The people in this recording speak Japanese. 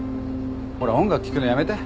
ほら音楽聴くのやめて。